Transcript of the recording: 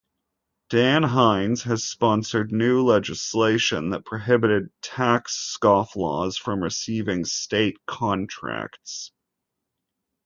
Dan Hynes has sponsored new legislation that prohibited tax scofflaws from receiving state contracts.